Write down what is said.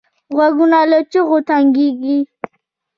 غوږونه له چغو تنګېږي